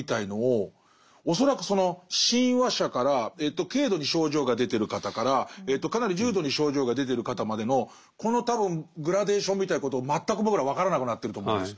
恐らくその親和者から軽度に症状が出てる方からかなり重度に症状が出てる方までのこの多分グラデーションみたいなことを全く僕らは分からなくなってると思うんです。